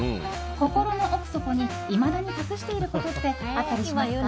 心の奥底にいまだに隠していることってあったりしますか？